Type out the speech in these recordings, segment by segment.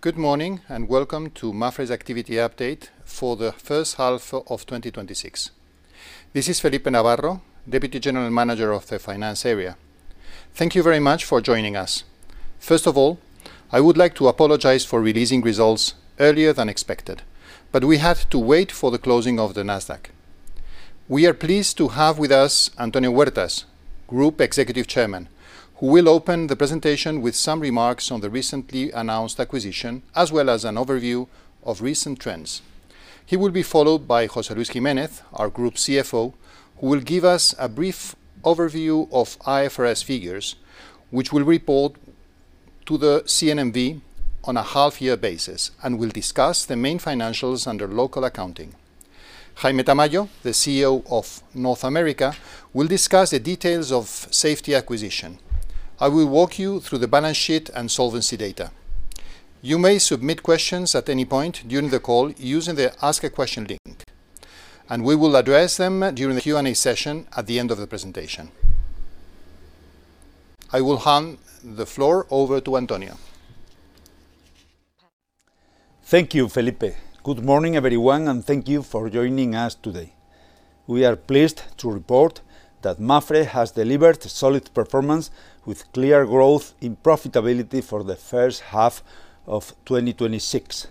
Good morning. Welcome to Mapfre's activity update for the first half of 2026. This is Felipe Navarro, Deputy General Manager of the finance area. Thank you very much for joining us. First of all, I would like to apologize for releasing results earlier than expected. We have to wait for the closing of the Nasdaq. We are pleased to have with us Antonio Huertas, Group Executive Chairman, who will open the presentation with some remarks on the recently announced acquisition, as well as an overview of recent trends. He will be followed by José Luis Jiménez, our Group CFO, who will give us a brief overview of IFRS figures, which we will report to the CNMV on a half-year basis, and will discuss the main financials under local accounting. Jaime Tamayo, the CEO of North America, will discuss the details of Safety acquisition. I will walk you through the balance sheet and solvency data. You may submit questions at any point during the call using the Ask a Question link, and we will address them during the Q&A session at the end of the presentation. I will hand the floor over to Antonio. Thank you, Felipe. Good morning, everyone. Thank you for joining us today. We are pleased to report that Mapfre has delivered a solid performance with clear growth in profitability for the first half of 2026.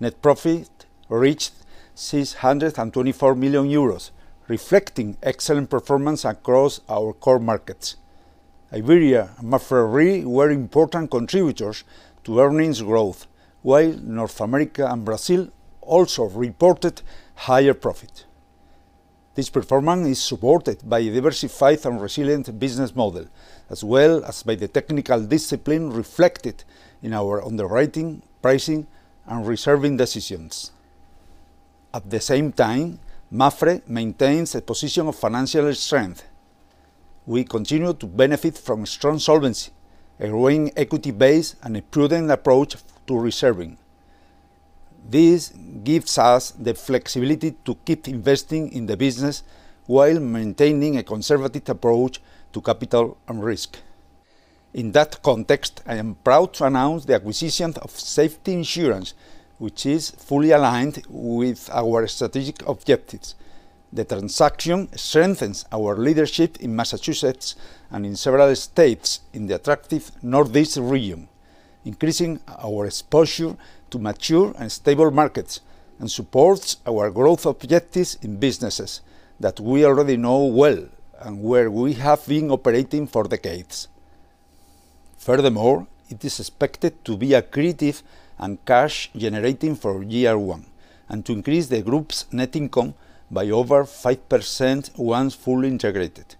Net profit reached 624 million euros, reflecting excellent performance across our core markets. Iberia and Mapfre Re were important contributors to earnings growth, while North America and Brazil also reported higher profit. This performance is supported by a diversified and resilient business model, as well as by the technical discipline reflected in our underwriting, pricing, and reserving decisions. At the same time, Mapfre maintains a position of financial strength. We continue to benefit from strong solvency, a growing equity base, and a prudent approach to reserving. This gives us the flexibility to keep investing in the business while maintaining a conservative approach to capital and risk. In that context, I am proud to announce the acquisition of Safety Insurance, which is fully aligned with our strategic objectives. The transaction strengthens our leadership in Massachusetts and in several states in the attractive Northeast region, increasing our exposure to mature and stable markets, and supports our growth objectives in businesses that we already know well and where we have been operating for decades. Furthermore, it is expected to be accretive and cash-generating for year one, and to increase the group's net income by over 5% once fully integrated.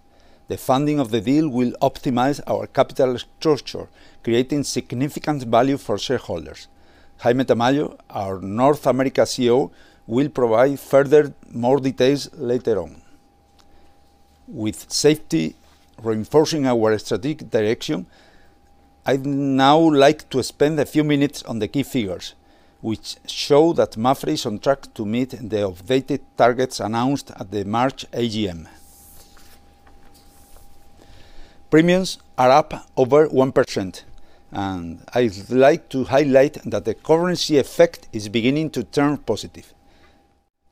The funding of the deal will optimize our capital structure, creating significant value for shareholders. Jaime Tamayo, our North America CEO, will provide further more details later on. With Safety reinforcing our strategic direction, I would now like to spend a few minutes on the key figures, which show that Mapfre is on track to meet the updated targets announced at the March AGM. Premiums are up over 1%, and I would like to highlight that the currency effect is beginning to turn positive.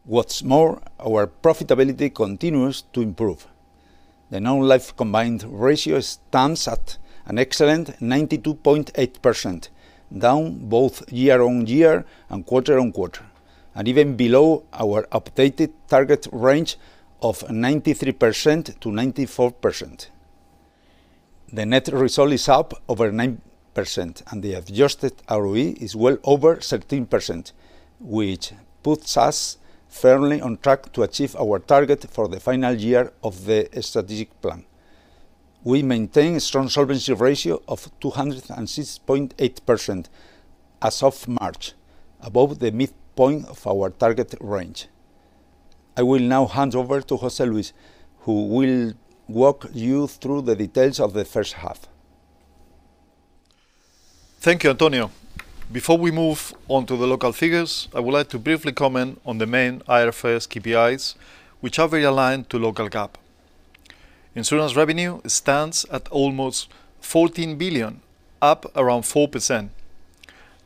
What is more, our profitability continues to improve. The non-life combined ratio stands at an excellent 92.8%, down both year-on-year and quarter-on-quarter, and even below our updated target range of 93%-94%. The net result is up over 9% and the adjusted ROE is well over 13%, which puts us firmly on track to achieve our target for the final year of the strategic plan. We maintain a strong solvency ratio of 206.8% as of March, above the midpoint of our target range. I will now hand over to José Luis, who will walk you through the details of the first half. Thank you, Antonio. Before we move on to the local figures, I would like to briefly comment on the main IFRS KPIs, which are very aligned to local GAAP. Insurance revenue stands at almost 14 billion, up around 4%.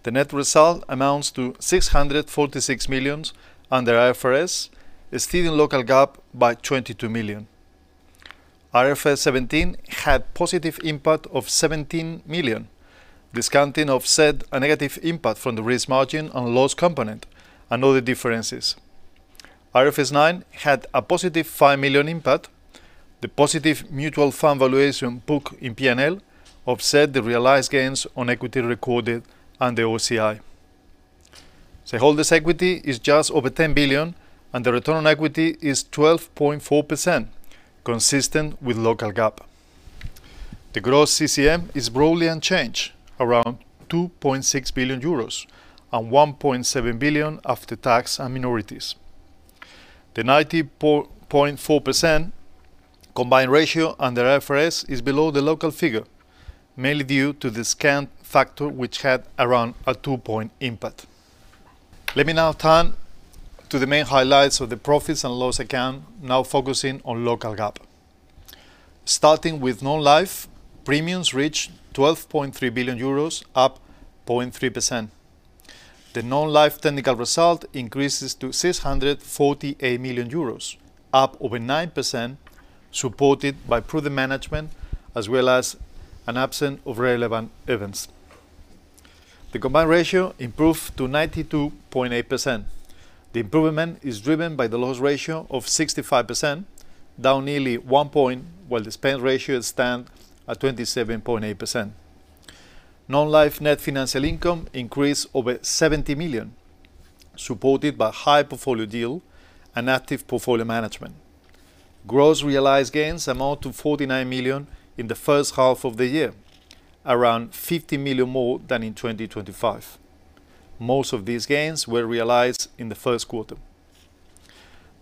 The net result amounts to 646 million under IFRS, exceeding local GAAP by 22 million. IFRS 17 had a positive impact of 17 million, this counting offset a negative impact from the risk margin and loss component and other differences. IFRS 9 had a positive 5 million impact. The positive mutual fund valuation book in P&L offset the realized gains on equity recorded under OCI. Shareholder equity is just over 10 billion and the return on equity is 12.4%, consistent with local GAAP. The gross CSM is broadly unchanged, around 2.6 billion euros and 1.7 billion after tax and minorities. The 90.4% combined ratio under IFRS is below the local figure, mainly due to the discount factor, which had around a 2-point impact. Let me now turn to the main highlights of the profits and loss account, now focusing on local GAAP. Starting with non-life, premiums reach 12.3 billion euros, up 0.3%. The non-life technical result increases to 648 million euros, up over 9%, supported by prudent management as well as an absence of relevant events. The combined ratio improved to 92.8%. The improvement is driven by the loss ratio of 65%, down nearly one point, while the expense ratio stands at 27.8%. Non-life net financial income increased over 70 million, supported by high portfolio yield and active portfolio management. Gross realized gains amount to 49 million in the first half of the year, around 50 million more than in 2025. Most of these gains were realized in the first quarter.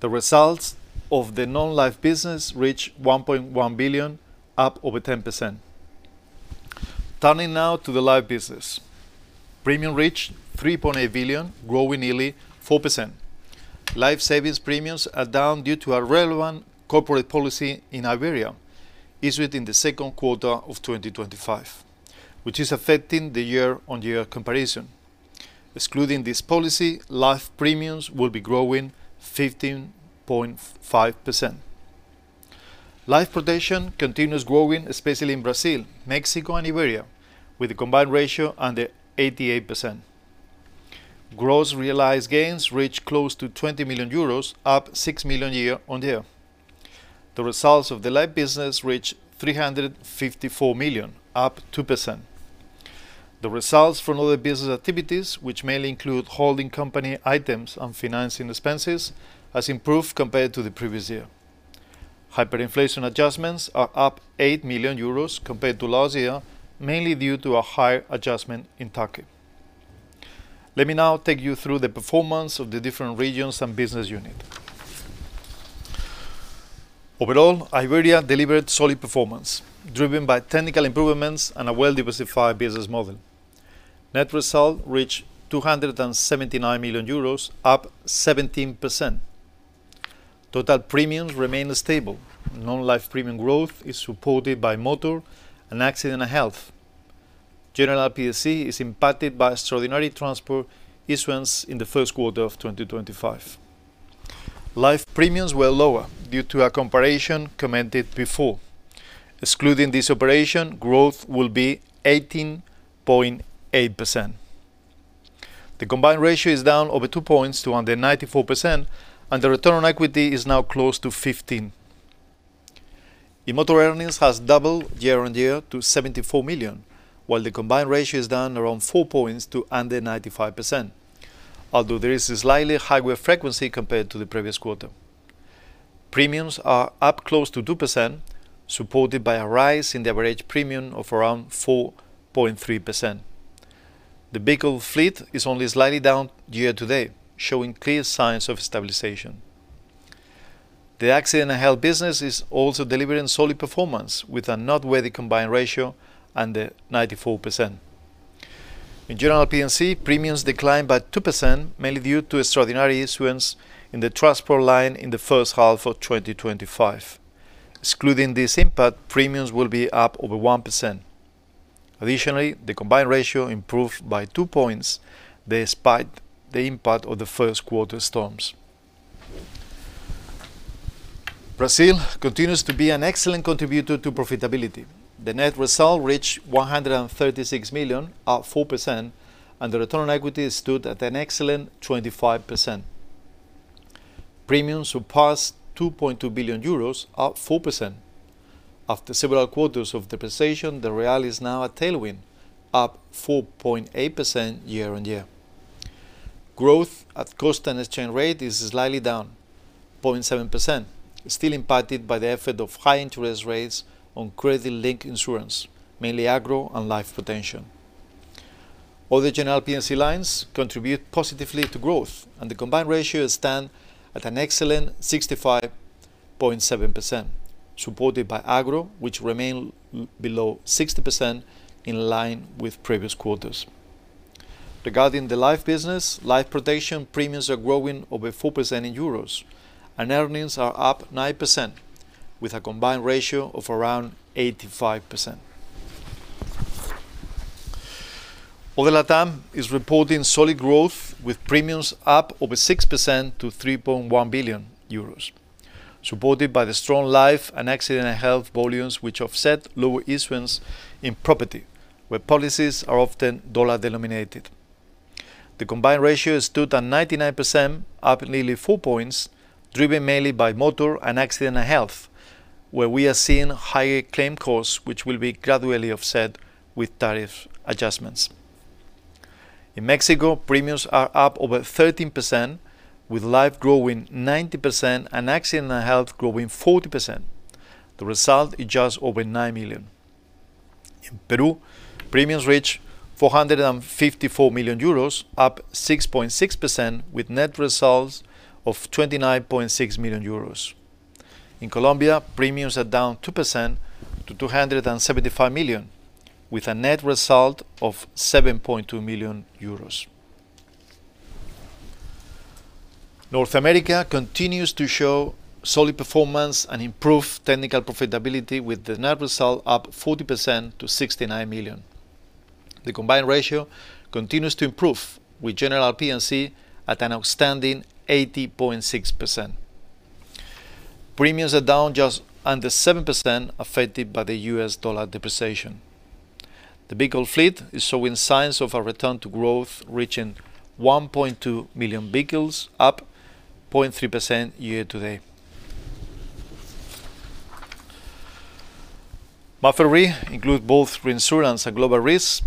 The results of the non-life business reach 1.1 billion, up over 10%. Turning now to the life business. Premium reached 3.8 billion, growing nearly 4%. Life savings premiums are down due to a relevant corporate policy in Iberia issued in the second quarter of 2025, which is affecting the year-on-year comparison. Excluding this policy, life premiums will be growing 15.5%. Life protection continues growing, especially in Brazil, Mexico, and Iberia, with a combined ratio under 88%. Gross realized gains reach close to 20 million euros, up 6 million year-on-year. The results of the life business reach 354 million, up 2%. The results from other business activities, which mainly include holding company items and financing expenses, has improved compared to the previous year. Hyperinflation adjustments are up 8 million euros compared to last year, mainly due to a higher adjustment in Turkey. Let me now take you through the performance of the different regions and business units. Overall, Iberia delivered solid performance, driven by technical improvements and a well-diversified business model. Net result reached 279 million euros, up 17%. Total premiums remained stable. Non-life premium growth is supported by motor and accident health. General P&C is impacted by extraordinary transport issuance in the first quarter of 2025. Life premiums were lower due to a comparison commented before. Excluding this operation, growth will be 18.8%. The combined ratio is down over 2 points to under 94%, and the return on equity is now close to 15%. In motor earnings has doubled year-on-year to 74 million, while the combined ratio is down around four points to under 95%. Although there is a slightly higher frequency compared to the previous quarter. Premiums are up close to 2%, supported by a rise in the average premium of around 4.3%. The vehicle fleet is only slightly down year-to-date, showing clear signs of stabilization. The accident and health business is also delivering solid performance with a noteworthy combined ratio under 94%. In general P&C, premiums declined by 2%, mainly due to extraordinary issuance in the transport line in the first half of 2025. Excluding this impact, premiums will be up over 1%. Additionally, the combined ratio improved by two points despite the impact of the first quarter storms. Brazil continues to be an excellent contributor to profitability. The net result reached 136 million, up 4%, and the return on equity stood at an excellent 25%. Premiums surpassed 2.2 billion euros, up 4%. After several quarters of depreciation, the real is now a tailwind, up 4.8% year-on-year. Growth at cost and exchange rate is slightly down 0.7%, still impacted by the effect of high interest rates on credit link insurance, mainly agro and life protection. Other general P&C lines contribute positively to growth, and the combined ratio stands at an excellent 65.7%, supported by agro, which remain below 60%, in line with previous quarters. Regarding the life business, life protection premiums are growing over 4% in euros, and earnings are up 9% with a combined ratio of around 85%. Other LATAM is reporting solid growth with premiums up over 6% to 3.1 billion euros, supported by the strong life and accident health volumes which offset lower issuance in property, where policies are often dollar-denominated. The combined ratio stood at 99%, up nearly 4 points, driven mainly by motor and accident health, where we are seeing higher claim costs, which will be gradually offset with tariff adjustments. In Mexico, premiums are up over 13%, with life growing 19% and accident health growing 40%. The result is just over 9 million. In Peru, premiums reach 454 million euros, up 6.6% with net results of 29.6 million euros. In Colombia, premiums are down 2% to 275 million, with a net result of 7.2 million euros. North America continues to show solid performance and improved technical profitability with the net result up 40% to 69 million. The combined ratio continues to improve with general P&C at an outstanding 80.6%. Premiums are down just under 7%, affected by the U.S. dollar depreciation. The vehicle fleet is showing signs of a return to growth, reaching 1.2 million vehicles up 0.3% year to date. Mapfre includes both reinsurance and global risks.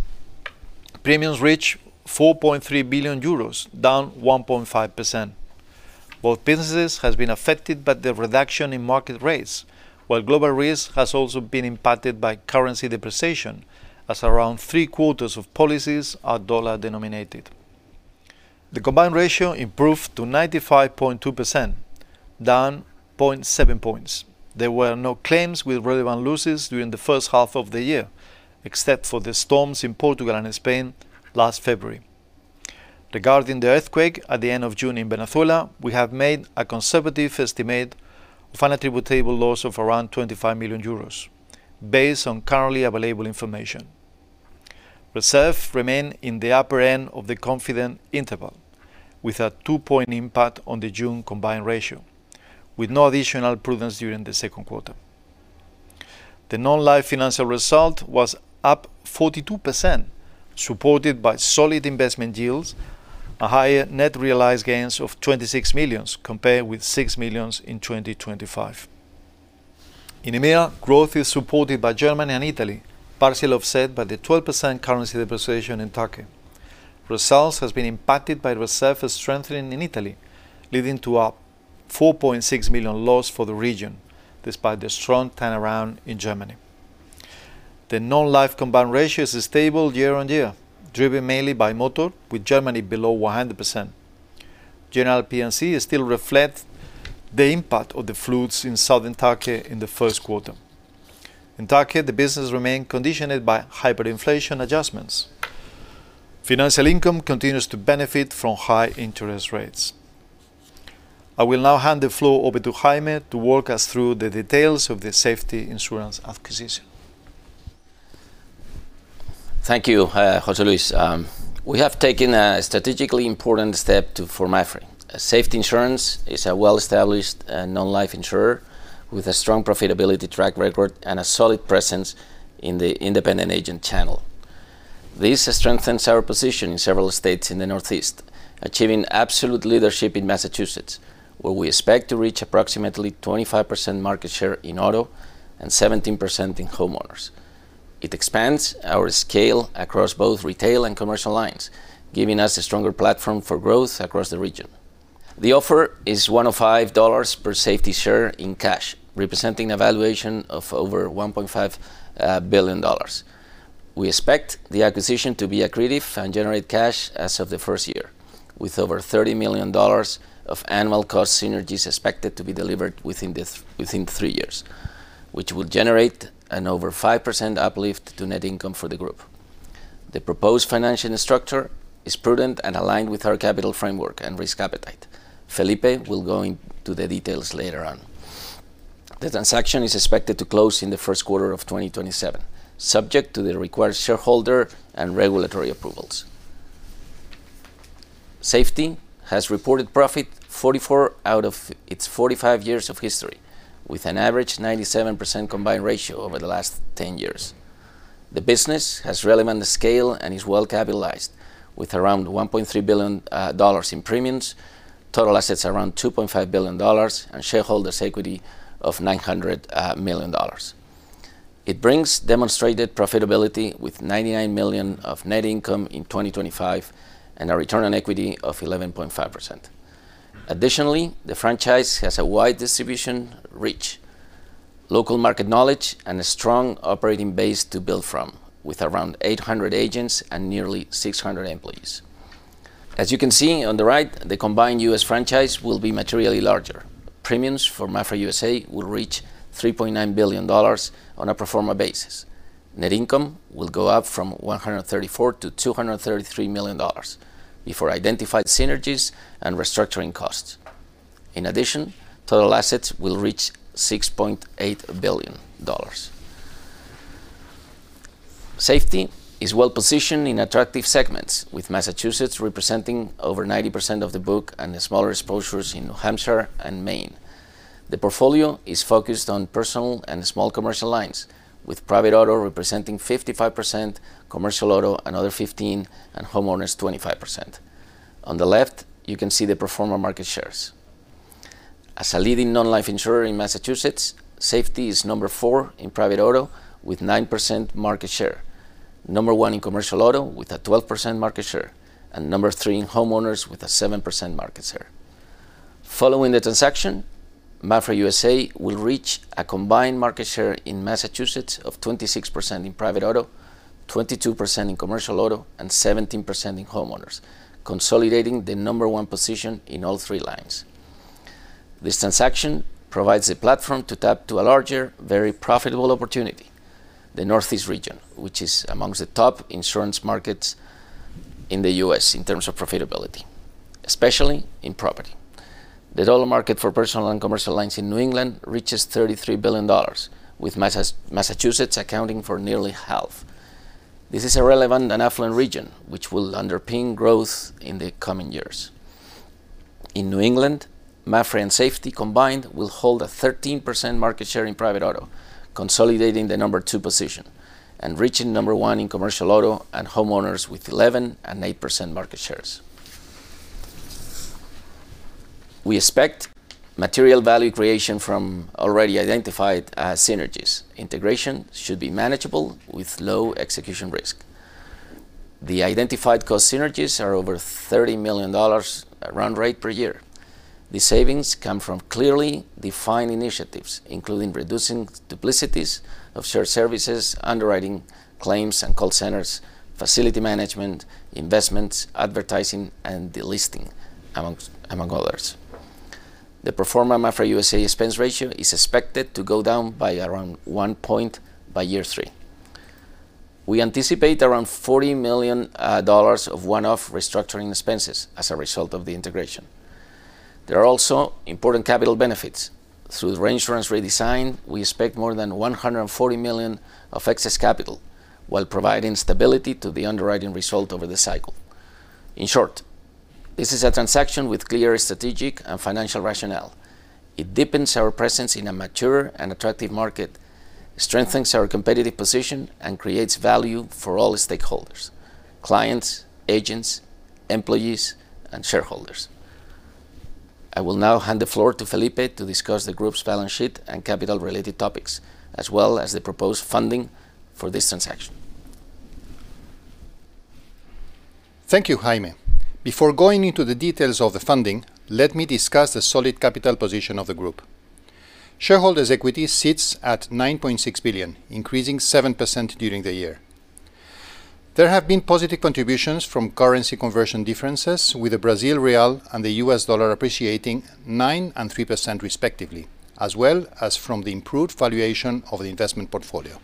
Premiums reach 4.3 billion euros, down 1.5%. Both businesses have been affected by the reduction in market rates, while global risk has also been impacted by currency depreciation, as around three quarters of policies are dollar denominated. The combined ratio improved to 95.2%, down 0.7 points. There were no claims with relevant losses during the first half of the year, except for the storms in Portugal and Spain last February. Regarding the earthquake at the end of June in Venezuela, we have made a conservative estimate of an attributable loss of around 25 million euros, based on currently available information. Reserve remain in the upper end of the confident interval, with a 2-point impact on the June combined ratio, with no additional prudence during the second quarter. The non-life financial result was up 42%, supported by solid investment yields, a higher net realized gains of 26 million compared with 6 million in 2025. In EMEA, growth is supported by Germany and Italy, partially offset by the 12% currency depreciation in Turkey. Results have been impacted by reserve strengthening in Italy, leading to a 4.6 million loss for the region despite the strong turnaround in Germany. The non-life combined ratio is stable year-over-year, driven mainly by motor, with Germany below 100%. General P&C still reflect the impact of the floods in southern Turkey in the first quarter. In Turkey, the business remain conditioned by hyperinflation adjustments. Financial income continues to benefit from high interest rates. I will now hand the floor over to Jaime to walk us through the details of the Safety Insurance acquisition. Thank you, José Luis. We have taken a strategically important step for Mapfre. Safety Insurance is a well-established non-life insurer with a strong profitability track record and a solid presence in the independent agent channel. This strengthens our position in several states in the Northeast, achieving absolute leadership in Massachusetts, where we expect to reach approximately 25% market share in auto and 17% in homeowners. It expands our scale across both retail and commercial lines, giving us a stronger platform for growth across the region. The offer is $105 per Safety share in cash, representing a valuation of over $1.5 billion. We expect the acquisition to be accretive and generate cash as of the first year, with over $30 million of annual cost synergies expected to be delivered within three years, which will generate an over 5% uplift to net income for the group. The proposed financial structure is prudent and aligned with our capital framework and risk appetite. Felipe will go into the details later on. The transaction is expected to close in the first quarter of 2027, subject to the required shareholder and regulatory approvals. Safety has reported profit 44 out of its 45 years of history, with an average 97% combined ratio over the last 10 years. The business has relevant scale and is well capitalized with around $1.3 billion in premiums, total assets around $2.5 billion, and shareholders' equity of $900 million. It brings demonstrated profitability with $99 million of net income in 2025 and a return on equity of 11.5%. Additionally, the franchise has a wide distribution reach, local market knowledge, and a strong operating base to build from, with around 800 agents and nearly 600 employees. As you can see on the right, the combined U.S. franchise will be materially larger. Premiums for Mapfre U.S.A. will reach $3.9 billion on a pro forma basis. Net income will go up from $134 million to $233 million before identified synergies and restructuring costs. In addition, total assets will reach $6.8 billion. Safety is well positioned in attractive segments, with Massachusetts representing over 90% of the book and smaller exposures in New Hampshire and Maine. The portfolio is focused on personal and small commercial lines, with private auto representing 55%, commercial auto another 15%, and homeowners 25%. On the left, you can see the pro forma market shares. As a leading non-life insurer in Massachusetts, Safety is number four in private auto with 9% market share, number one in commercial auto with a 12% market share, and number three in homeowners with a 7% market share. Following the transaction, Mapfre U.S.A. will reach a combined market share in Massachusetts of 26% in private auto, 22% in commercial auto, and 17% in homeowners, consolidating the number one position in all three lines. This transaction provides a platform to tap to a larger, very profitable opportunity, the Northeast region, which is amongst the top insurance markets in the U.S. in terms of profitability, especially in property. The total market for personal and commercial lines in New England reaches $33 billion, with Massachusetts accounting for nearly half. This is a relevant and affluent region, which will underpin growth in the coming years. In New England, Mapfre and Safety combined will hold a 13% market share in private auto, consolidating the number two position and reaching number one in commercial auto and homeowners with 11% and 8% market shares. We expect material value creation from already identified synergies. Integration should be manageable with low execution risk. The identified cost synergies are over $30 million run rate per year. These savings come from clearly defined initiatives, including reducing duplicities of shared services, underwriting claims and call centers, facility management, investments, advertising, and delisting, among others. The pro forma Mapfre U.S.A. expense ratio is expected to go down by around 1 point by year three. We anticipate around $40 million of one-off restructuring expenses as a result of the integration. There are also important capital benefits. Through the reinsurance redesign, we expect more than $140 million of excess capital while providing stability to the underwriting result over the cycle. In short, this is a transaction with clear strategic and financial rationale. It deepens our presence in a mature and attractive market, strengthens our competitive position, and creates value for all stakeholders, clients, agents, employees, and shareholders. I will now hand the floor to Felipe to discuss the group's balance sheet and capital related topics, as well as the proposed funding for this transaction. Thank you, Jaime. Before going into the details of the funding, let me discuss the solid capital position of the group. Shareholders' equity sits at 9.6 billion, increasing 7% during the year. There have been positive contributions from currency conversion differences with the Brazil real and the U.S. dollar appreciating 9% and 3% respectively, as well as from the improved valuation of the investment portfolio.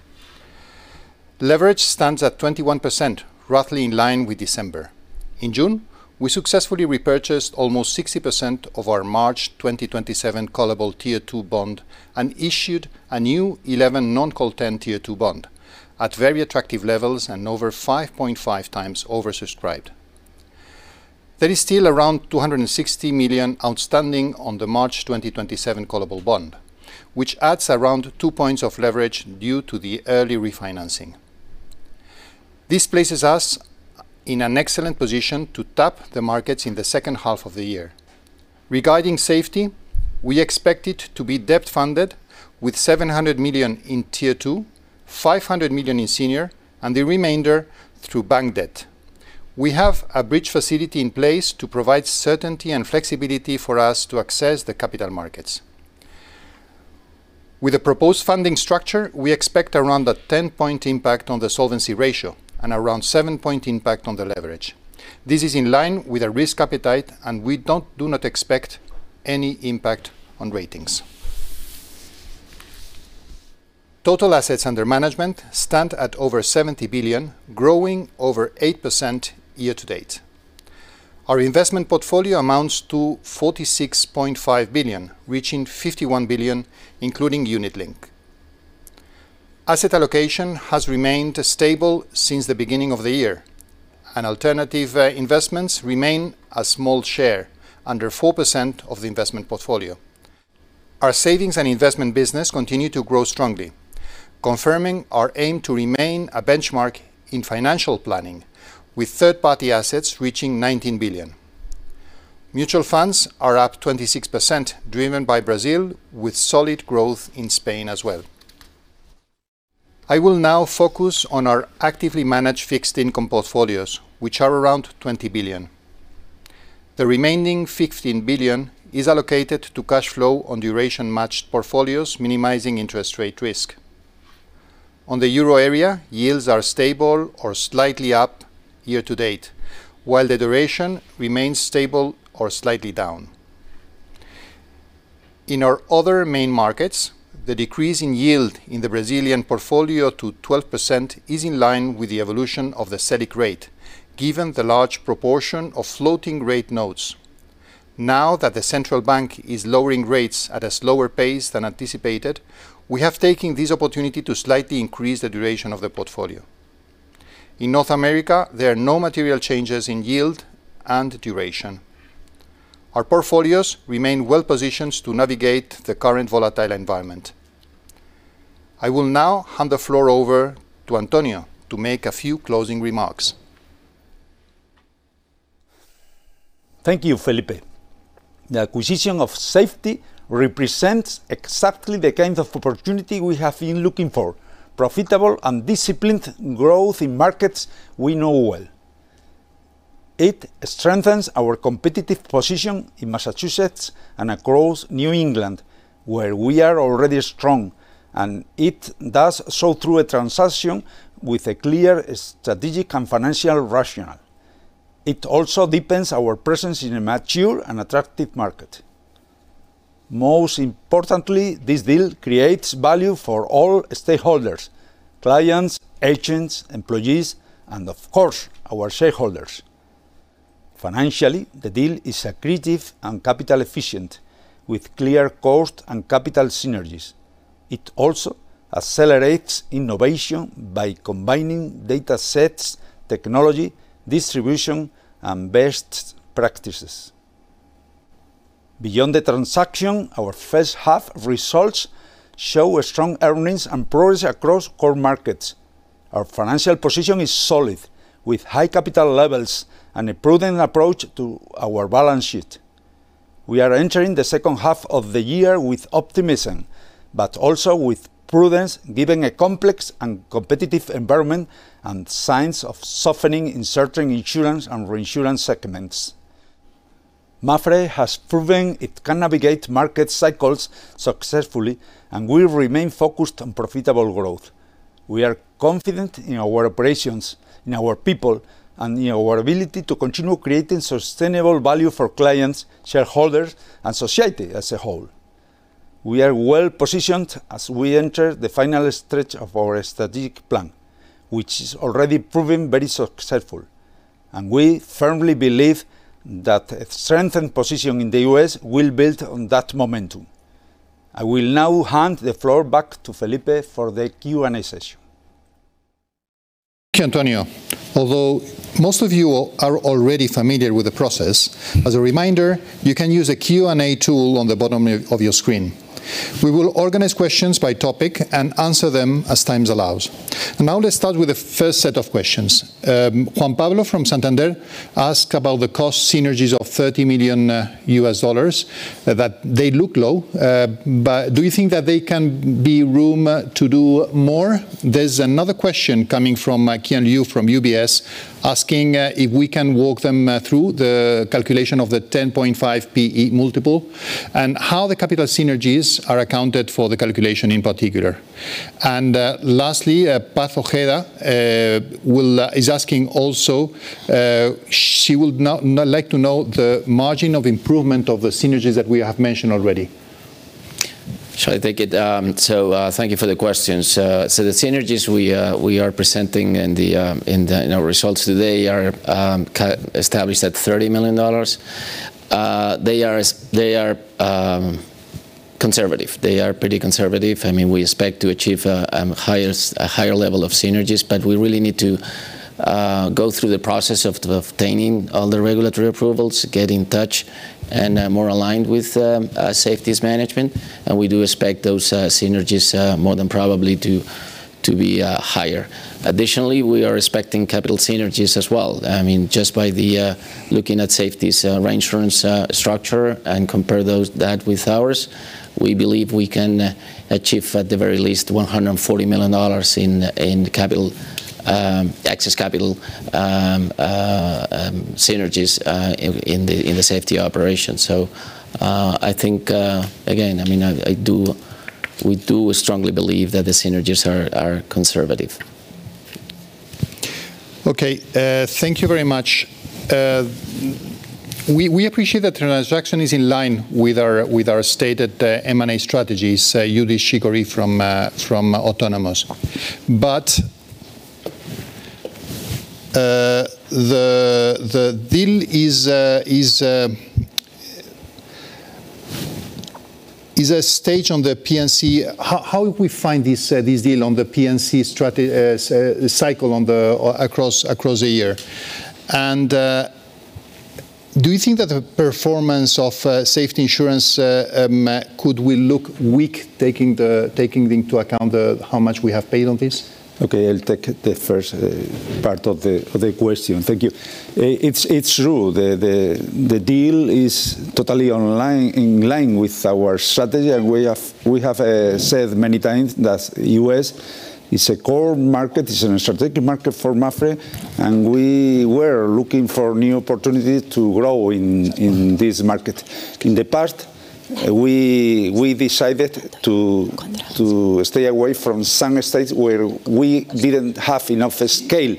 Leverage stands at 21%, roughly in line with December. In June, we successfully repurchased almost 60% of our March 2027 callable Tier 2 bond and issued a new 11 non-call 10 Tier 2 bond at very attractive levels and over 5.5x oversubscribed. There is still around 260 million outstanding on the March 2027 callable bond, which adds around 2 points of leverage due to the early refinancing. This places us in an excellent position to tap the markets in the second half of the year. Regarding Safety, we expect it to be debt-funded with 700 million in Tier 2, 500 million in senior, and the remainder through bank debt. We have a bridge facility in place to provide certainty and flexibility for us to access the capital markets. With a proposed funding structure, we expect around a 10-point impact on the solvency ratio and around 7-point impact on the leverage. This is in line with our risk appetite, and we do not expect any impact on ratings. Total assets under management stand at over 70 billion, growing over 8% year to date. Our investment portfolio amounts to 46.5 billion, reaching 51 billion, including unit link. Asset allocation has remained stable since the beginning of the year, and alternative investments remain a small share, under 4% of the investment portfolio. Our savings and investment business continue to grow strongly, confirming our aim to remain a benchmark in financial planning, with third-party assets reaching 19 billion. Mutual funds are up 26%, driven by Brazil, with solid growth in Spain as well. I will now focus on our actively managed fixed income portfolios, which are around 20 billion. The remaining 15 billion is allocated to cash flow on duration matched portfolios, minimizing interest rate risk. On the Euro area, yields are stable or slightly up year to date, while the duration remains stable or slightly down. In our other main markets, the decrease in yield in the Brazilian portfolio to 12% is in line with the evolution of the Selic rate, given the large proportion of floating rate notes. Now that the central bank is lowering rates at a slower pace than anticipated, we have taken this opportunity to slightly increase the duration of the portfolio. In North America, there are no material changes in yield and duration. Our portfolios remain well-positioned to navigate the current volatile environment. I will now hand the floor over to Antonio to make a few closing remarks. Thank you, Felipe. The acquisition of Safety represents exactly the kind of opportunity we have been looking for, profitable and disciplined growth in markets we know well. It strengthens our competitive position in Massachusetts and across New England, where we are already strong, and it does so through a transaction with a clear strategic and financial rationale. It also deepens our presence in a mature and attractive market. Most importantly, this deal creates value for all stakeholders, clients, agents, employees, and of course, our shareholders. Financially, the deal is accretive and capital efficient, with clear cost and capital synergies. It also accelerates innovation by combining data sets, technology, distribution, and best practices. Beyond the transaction, our first half results show strong earnings and progress across core markets. Our financial position is solid, with high capital levels and a prudent approach to our balance sheet. We are entering the second half of the year with optimism, but also with prudence given a complex and competitive environment and signs of softening in certain insurance and reinsurance segments. Mapfre has proven it can navigate market cycles successfully and will remain focused on profitable growth. We are confident in our operations, in our people, and in our ability to continue creating sustainable value for clients, shareholders, and society as a whole. We are well-positioned as we enter the final stretch of our strategic plan, which is already proving very successful, and we firmly believe that a strengthened position in the U.S. will build on that momentum. I will now hand the floor back to Felipe for the Q&A session. Thank you, Antonio. Although most of you are already familiar with the process, as a reminder, you can use the Q&A tool on the bottom of your screen. We will organize questions by topic and answer them as times allows. Let's start with the first set of questions. Juan Pablo from Santander asked about the cost synergies of $30 million, that they look low, but do you think that there can be room to do more? There's another question coming from Qian Lu from UBS, asking if we can walk them through the calculation of the 10.5x P/E multiple, and how the capital synergies are accounted for the calculation in particular. Lastly, Paz Ojeda is asking also, she would like to know the margin of improvement of the synergies that we have mentioned already. Sure. I take it. Thank you for the questions. The synergies we are presenting in our results today are established at $30 million. They are conservative. They are pretty conservative. We expect to achieve a higher level of synergies, but we really need to go through the process of obtaining all the regulatory approvals, get in touch, and more aligned with Safety's management. We do expect those synergies, more than probably, to be higher. Additionally, we are expecting capital synergies as well. Just by looking at Safety's reinsurance structure and compare that with ours, we believe we can achieve at the very least $140 million in excess capital synergies in the Safety operation. I think, again, we do strongly believe that the synergies are conservative. Okay. Thank you very much. We appreciate that transaction is in line with our stated M&A strategies, Youdish Chicooree from Autonomous. The deal is a stage on the P&C. How we find this deal on the P&C cycle across a year? Do you think that the performance of Safety Insurance could look weak, taking into account how much we have paid on this? Okay, I'll take the first part of the question. Thank you. It's true, the deal is totally in line with our strategy. We have said many times that U.S. is a core market, is an strategic market for Mapfre, and we were looking for new opportunities to grow in this market. In the past, we decided to stay away from some states where we didn't have enough scale.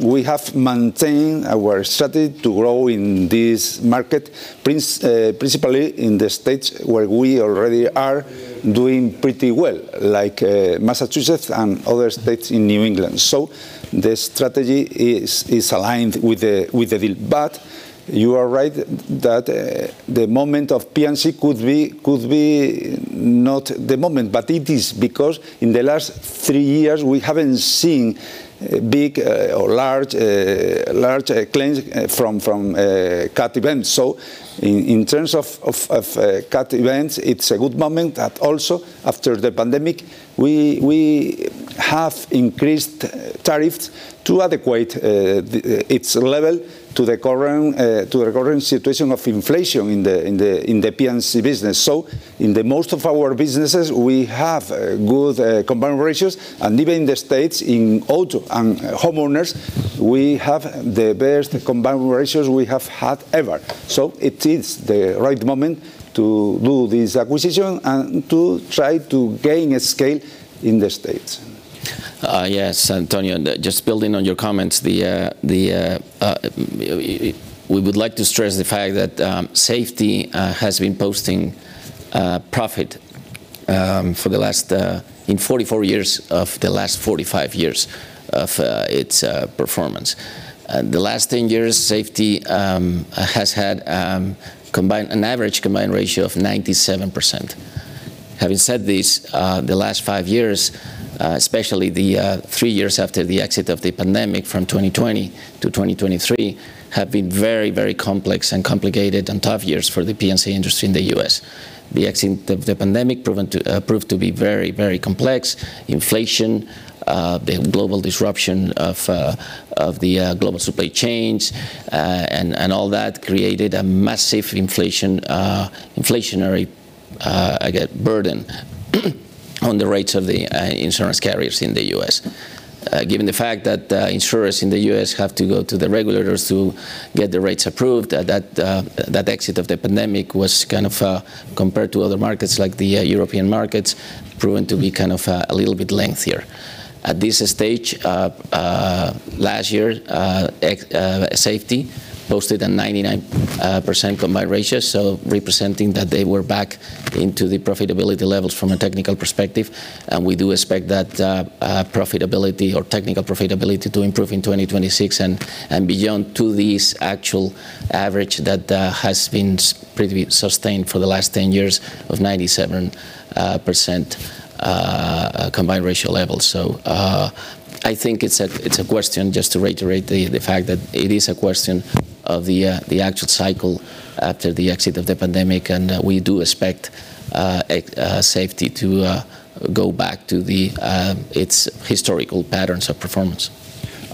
We have maintained our strategy to grow in this market, principally in the states where we already are doing pretty well, like Massachusetts and other states in New England. The strategy is aligned with the deal. You are right that the moment of P&C could be not the moment, but it is because in the last three years, we haven't seen big or large claims from cat events. In terms of cat events, it's a good moment. Also after the pandemic, we have increased tariffs to adequate its level to the current situation of inflation in the P&C business. In the most of our businesses, we have good combined ratios, and even in the States, in auto and homeowners, we have the best combined ratios we have had ever. It is the right moment to do this acquisition and to try to gain scale in the States. Yes, Antonio, just building on your comments. We would like to stress the fact that Safety has been posting profit in 44 years of the last 45 years of its performance. The last 10 years, Safety has had an average combined ratio of 97%. Having said this, the last five years, especially the three years after the exit of the pandemic from 2020 to 2023, have been very complex and complicated and tough years for the P&C industry in the U.S. The exit of the pandemic proved to be very complex. Inflation, the global disruption of the global supply chains, and all that created a massive inflationary burden on the rates of the insurance carriers in the U.S. Given the fact that insurers in the U.S. have to go to the regulators to get the rates approved, that exit of the pandemic was kind of, compared to other markets, like the European markets, proven to be a little bit lengthier. At this stage, last year, Safety posted a 99% combined ratio, representing that they were back into the profitability levels from a technical perspective. We do expect that profitability or technical profitability to improve in 2026 and beyond to this actual average that has been pretty sustained for the last 10 years of 97% combined ratio levels. I think just to reiterate the fact that it is a question of the actual cycle after the exit of the pandemic. We do expect Safety to go back to its historical patterns of performance.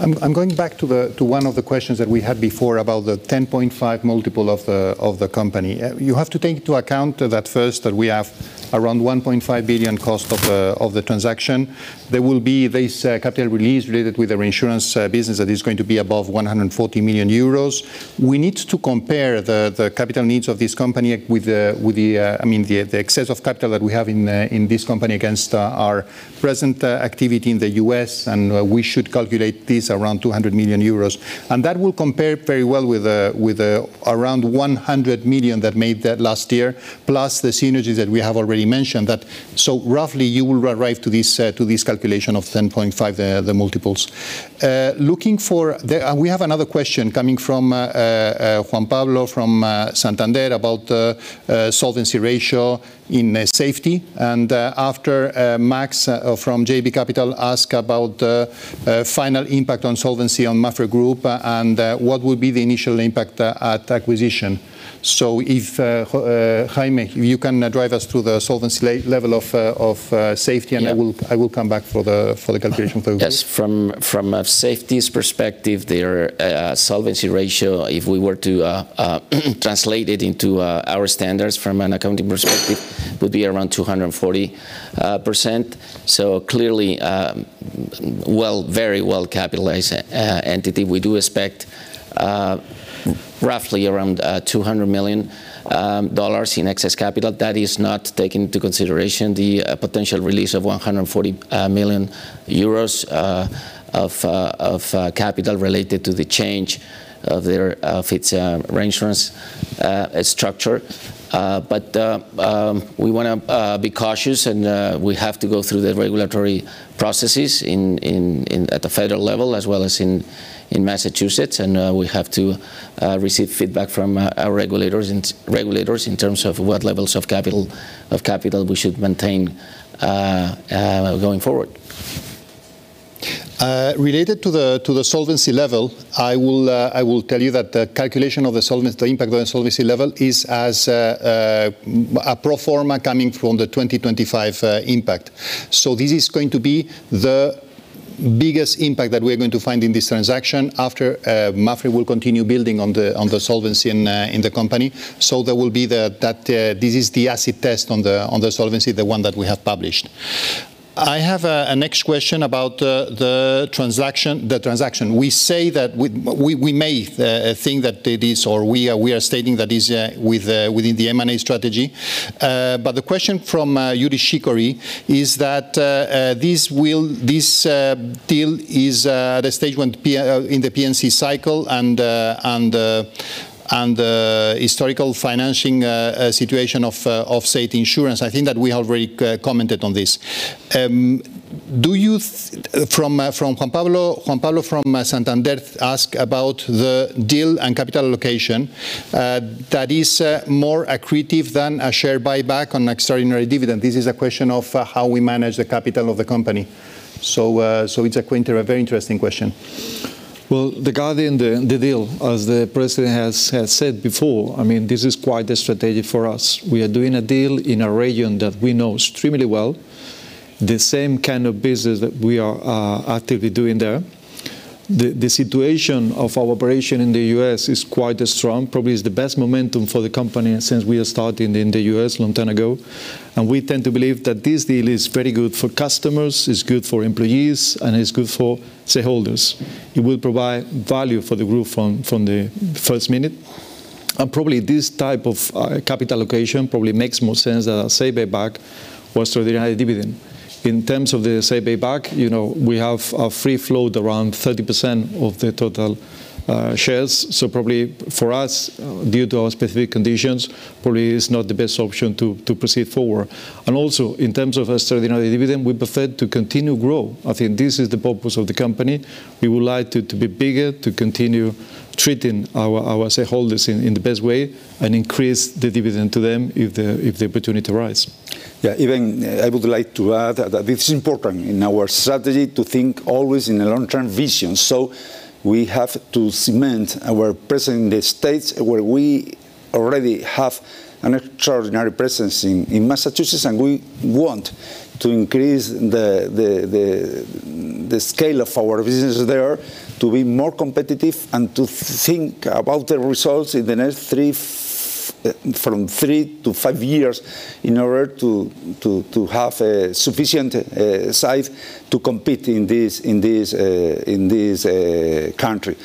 I'm going back to one of the questions that we had before about the 10.5x multiple of the company. You have to take into account that first that we have around $1.5 billion cost of the transaction. There will be this capital release related with the reinsurance business that is going to be above 140 million euros. We need to compare the capital needs of this company with the excess of capital that we have in this company against our present activity in the U.S., and we should calculate this around 200 million euros. That will compare very well with around 100 million that made that last year, plus the synergies that we have already mentioned. Roughly you will arrive to this calculation of 10.5x, the multiples. We have another question coming from Juan Pablo from Santander about the solvency ratio in Safety. After, Maksym from JB Capital ask about final impact on solvency on Mapfre Group, and what will be the initial impact at acquisition. If, Jaime, you can drive us through the solvency level of Safety, I will come back for the calculation for this. Yes. From Safety's perspective, their solvency ratio, if we were to translate it into our standards from an accounting perspective, would be around 240%. Clearly, very well-capitalized entity. We do expect roughly around $200 million in excess capital. That is not taking into consideration the potential release of 140 million euros of capital related to the change of its reinsurance structure. We want to be cautious, and we have to go through the regulatory processes at the federal level as well as in Massachusetts. We have to receive feedback from our regulators in terms of what levels of capital we should maintain going forward. Related to the solvency level, I will tell you that the calculation of the impact of the solvency level is as a pro forma coming from the 2025 impact. This is going to be the biggest impact that we're going to find in this transaction after Mapfre will continue building on the solvency in the company. This is the acid test on the solvency, the one that we have published. I have a next question about the transaction. We may think that it is, or we are stating that it is within the M&A strategy. The question from Youdish Chicooree is that this deal is at a stage in the P&C cycle, and historical financing situation of Safety Insurance. I think that we have already commented on this. Juan Pablo from Santander asks about the deal and capital allocation. That is more accretive than a share buyback or extraordinary dividend. This is a question of how we manage the capital of the company. It's a very interesting question. Regarding the deal, as the president has said before, this is quite the strategy for us. We are doing a deal in a region that we know extremely well. The same kind of business that we are actively doing there. The situation of our operation in the U.S. is quite strong. Probably is the best momentum for the company since we are starting in the U.S. long time ago. We tend to believe that this deal is very good for customers, it's good for employees, and it's good for shareholders. It will provide value for the group from the first minute. Probably this type of capital allocation probably makes more sense than a share buyback or extraordinary dividend. In terms of the share buyback, we have a free float around 30% of the total shares. Probably for us, due to our specific conditions, probably is not the best option to proceed forward. Also in terms of extraordinary dividend, we prefer to continue grow. I think this is the purpose of the company. We would like to be bigger, to continue treating our shareholders in the best way, and increase the dividend to them if the opportunity arises. I would like to add that this is important in our strategy to think always in a long-term vision. We have to cement our presence in the States where we already have an extraordinary presence in Massachusetts, and we want to increase the scale of our business there to be more competitive and to think about the results from three to five years in order to have a sufficient size to compete in this country.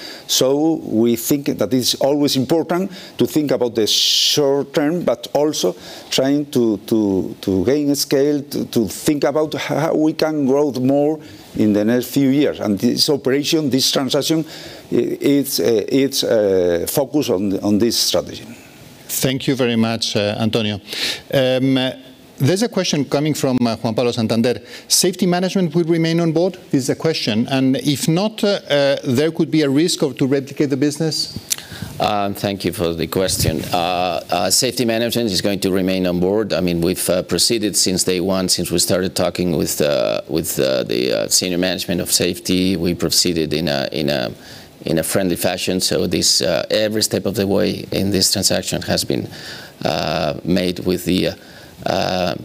We think that it's always important to think about the short-term, but also trying to gain scale, to think about how we can grow more in the next few years. This operation, this transaction, it's focused on this strategy. Thank you very much, Antonio. There's a question coming from Juan Pablo Santander. "Safety will remain on board?" is the question. If not, there could be a risk to replicate the business. Thank you for the question. Safety is going to remain on board. We've proceeded since day one, since we started talking with the senior management of Safety. We proceeded in a friendly fashion. Every step of the way in this transaction has been made with the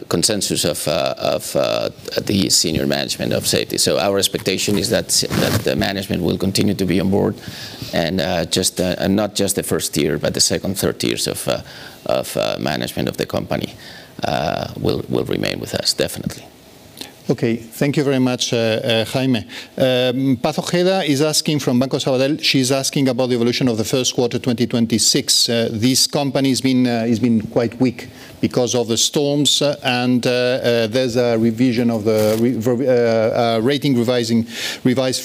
consensus of the senior management of Safety. Our expectation is that the management will continue to be on board, and not just the first year, but the second, third years of management of the company will remain with us definitely. Thank you very much, Jaime. Paz Ojeda is asking from Banco Sabadell. She's asking about the evolution of the first quarter 2026. This company's been quite weak because of the storms, there's a revision of the rating revised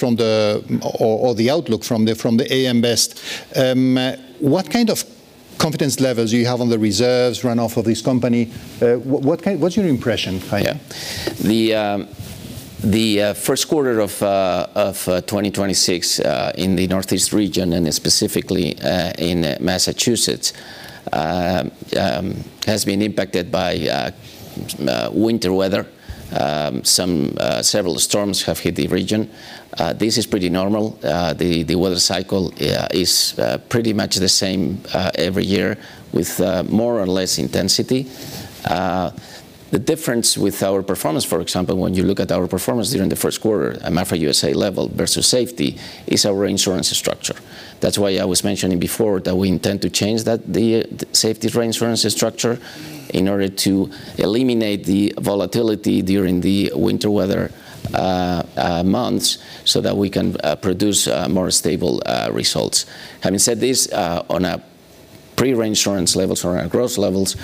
or the outlook from the AM Best. What kind of confidence levels you have on the reserves run off of this company? What's your impression, Jaime? The first quarter of 2026, in the northeast region, and specifically in Massachusetts, has been impacted by winter weather. Several storms have hit the region. This is pretty normal. The weather cycle is pretty much the same every year with more or less intensity. The difference with our performance, for example, when you look at our performance during the first quarter at Mapfre U.S.A. level versus Safety, is our reinsurance structure. That's why I was mentioning before that we intend to change the Safety reinsurance structure in order to eliminate the volatility during the winter weather months so that we can produce more stable results. Having said this, on pre-reinsurance levels or on gross levels,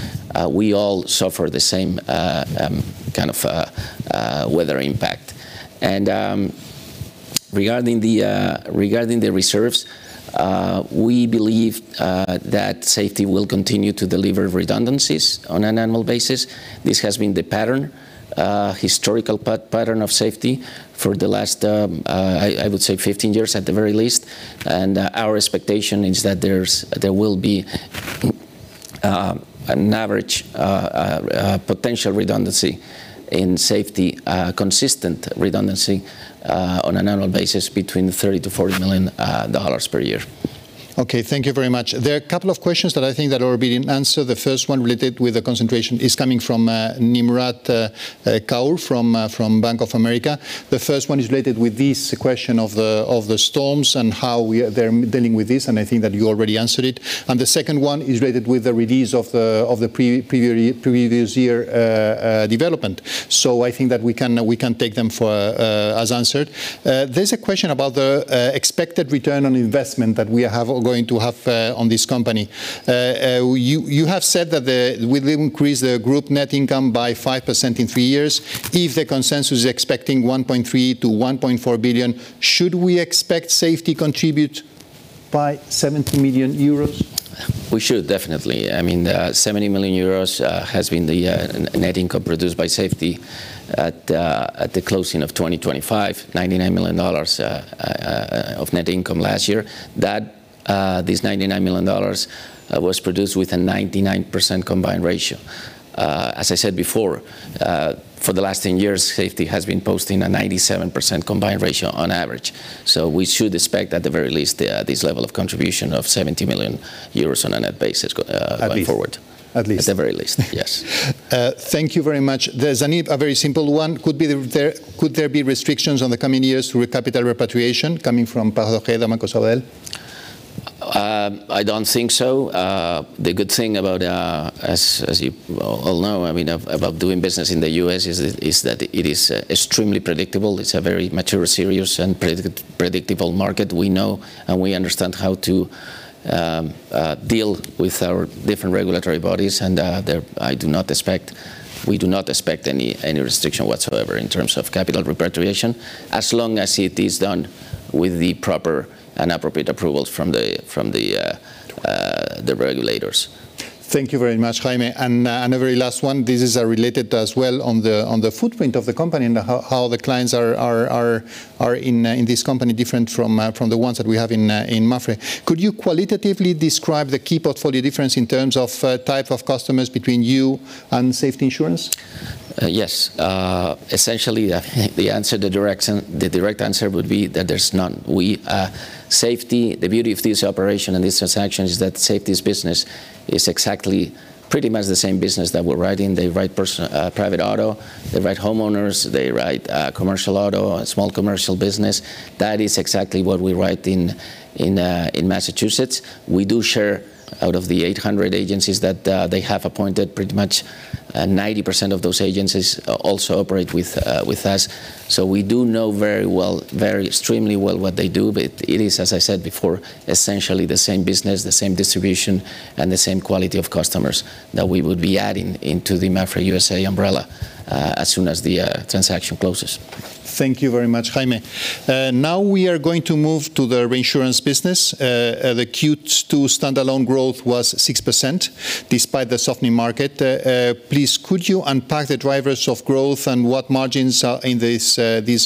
we all suffer the same kind of weather impact. Regarding the reserves, we believe that Safety will continue to deliver redundancies on an annual basis. This has been the historical pattern of Safety for the last, I would say 15 years at the very least. Our expectation is that there will be an average potential redundancy in Safety, consistent redundancy, on an annual basis between 30 million to EUR 40 million per year. Thank you very much. There are a couple of questions that I think that already been answered. The first one related with the concentration is coming from Nimrat Kaur from Bank of America. The first one is related with this question of the storms and how they're dealing with this, and I think that you already answered it. The second one is related with the release of the previous year development. I think that we can take them as answered. There's a question about the expected return on investment that we are going to have on this company. You have said that we will increase the group net income by 5% in three years. If the consensus is expecting 1.3 billion to 1.4 billion, should we expect Safety contribute by 70 million euros? We should definitely. 70 million euros has been the net income produced by Safety at the closing of 2025, $99 million of net income last year. This $99 million was produced with a 99% combined ratio. As I said before, for the last 10 years, Safety has been posting a 97% combined ratio on average. We should expect at the very least, this level of contribution of 70 million euros on a net basis going forward. At least. At the very least. Yes. Thank you very much. There's a very simple one. Could there be restrictions on the coming years through a capital repatriation? Coming from Paz Ojeda, Banco Sabadell. I don't think so. The good thing about, as you all know, about doing business in the U.S. is that it is extremely predictable. It's a very mature, serious, and predictable market. We know and we understand how to deal with our different regulatory bodies. We do not expect any restriction whatsoever in terms of capital repatriation, as long as it is done with the proper and appropriate approvals from the regulators. Thank you very much, Jaime. A very last one. This is related as well on the footprint of the company and how the clients are, in this company, different from the ones that we have in Mapfre. Could you qualitatively describe the key portfolio difference in terms of type of customers between you and Safety Insurance? Yes. Essentially, the direct answer would be that there is none. The beauty of this operation and this transaction is that Safety's business is exactly pretty much the same business that we are right in. They write private auto, they write homeowners, they write commercial auto, small commercial business. That is exactly what we write in Massachusetts. We do share, out of the 800 agencies that they have appointed, pretty much 90% of those agencies also operate with us. We do know extremely well what they do. It is, as I said before, essentially the same business, the same distribution, and the same quality of customers that we would be adding into the Mapfre U.S.A. umbrella, as soon as the transaction closes. Thank you very much, Jaime. We are going to move to the reinsurance business. The Q2 standalone growth was 6%, despite the softening market. Please, could you unpack the drivers of growth and what margins are in this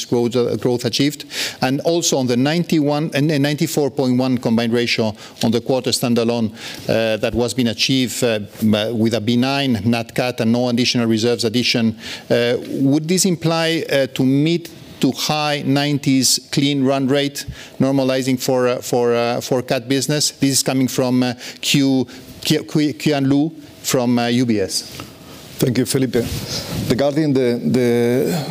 growth achieved, and also on the 94.1 combined ratio on the quarter standalone that was being achieved with a benign nat cat and no additional reserves addition. Would this imply to mid to high 90s clean run rate normalizing for cat business? This is coming from Qian Lu from UBS. Thank you, Felipe. Regarding the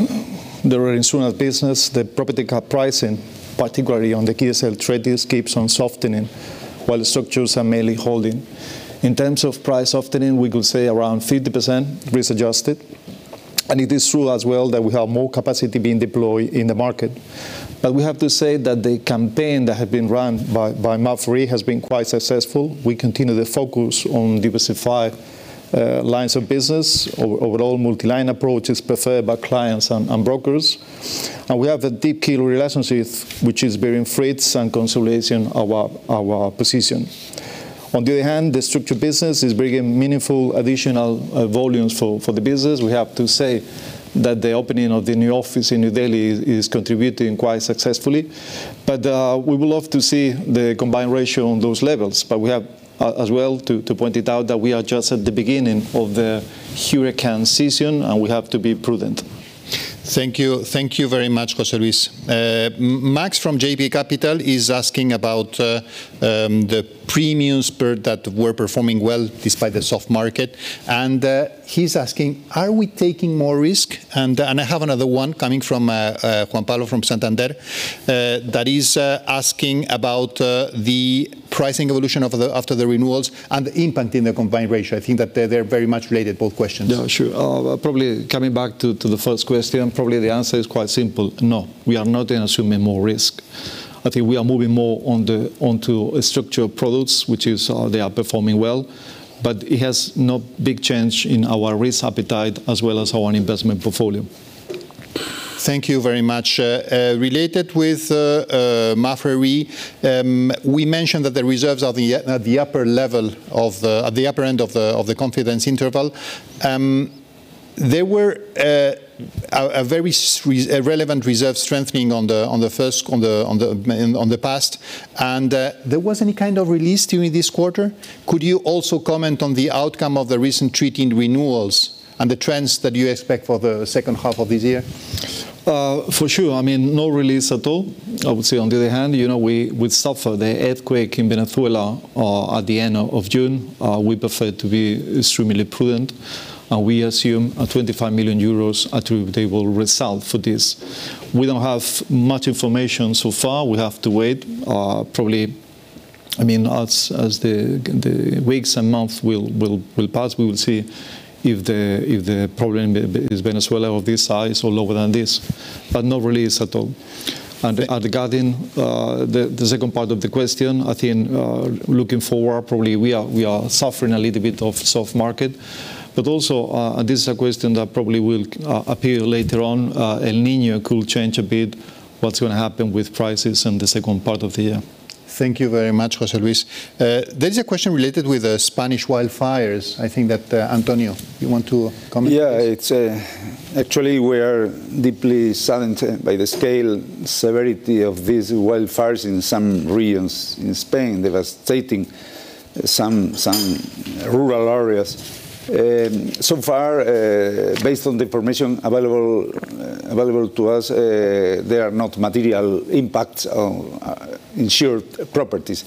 reinsurance business, the property cat pricing, particularly on the GSL treaties, keeps on softening, while the structures are mainly holding. In terms of price softening, we could say around 50%, risk adjusted. It is true as well that we have more capacity being deployed in the market. We have to say that the campaign that had been run by Mapfre has been quite successful. We continue to focus on diversified lines of business. Overall multi-line approach is preferred by clients and brokers. We have a deep key relationships, which is bearing fruits and consolidation of our position. On the other hand, the structured business is bringing meaningful additional volumes for the business. We have to say that the opening of the new office in New Delhi is contributing quite successfully. We would love to see the combined ratio on those levels. We have, as well, to point it out that we are just at the beginning of the hurricane season, and we have to be prudent. Thank you. Thank you very much, José Luis. Maksym from JB Capital is asking about the premiums that were performing well despite the soft market. He's asking, "Are we taking more risk?" I have another one coming from Juan Pablo from Santander, that is asking about the pricing evolution after the renewals and the impact in the combined ratio. I think that they're very much related, both questions. Yeah, sure. Probably coming back to the first question, probably the answer is quite simple. No, we are not assuming more risk. I think we are moving more onto structural products, which they are performing well. It has no big change in our risk appetite as well as our investment portfolio. Thank you very much. Related with Mapfre, we mentioned that the reserves are at the upper end of the confidence interval. There were a very relevant reserve strengthening on the past, there wasn't any kind of release during this quarter. Could you also comment on the outcome of the recent treaty and renewals, and the trends that you expect for the second half of this year? For sure. No release at all. I would say, on the other hand, we suffer the earthquake in Venezuela at the end of June. We prefer to be extremely prudent, and we assume 25 million euros, they will resolve for this. We don't have much information so far. We have to wait. As the weeks and months will pass, we will see if the problem is Venezuela of this size or lower than this. No release at all. Regarding the second part of the question, I think, looking forward, probably we are suffering a little bit of soft market. Also, this is a question that probably will appear later on. El Niño could change a bit what's going to happen with prices in the second part of the year. Thank you very much, José Luis. There's a question related with the Spanish wildfires. I think that, Antonio, you want to comment? Actually, we're deeply saddened by the scale and severity of these wildfires in some regions in Spain. Devastating some rural areas. Far, based on the information available to us, there are not material impacts on insured properties.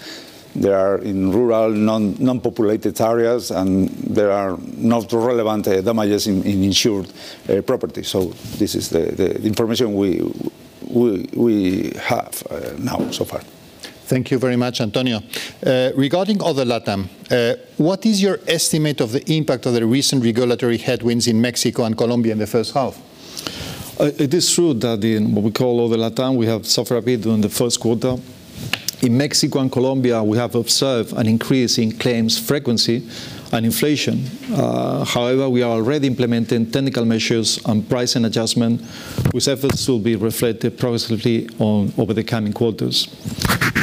They are in rural, non-populated areas, there are not relevant damages in insured property. This is the information we have now so far. Thank you very much, Antonio. Regarding all the LATAM, what is your estimate of the impact of the recent regulatory headwinds in Mexico and Colombia in the first half? It is true that in what we call all the LATAM, we have suffered a bit during the first quarter. In Mexico and Colombia, we have observed an increase in claims frequency and inflation. We are already implementing technical measures on price and adjustment, whose efforts will be reflected progressively over the coming quarters.